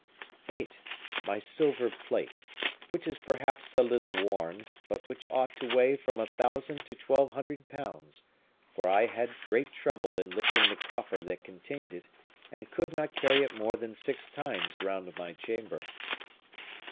"8. My silver plate, which is perhaps a little worn, but which ought to weigh from a thousand to twelve hundred pounds, for I had great trouble in lifting the coffer that contained it and could not carry it more than six times round my chamber.